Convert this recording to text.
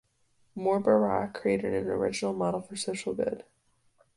Mor Barak created an original model for social good.